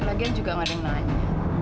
lagian juga nggak ada yang nanya